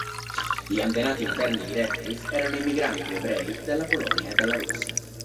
Gli antenati materni di Radcliffe erano immigranti ebrei dalla Polonia e dalla Russia.